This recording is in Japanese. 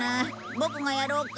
ボクがやろうか？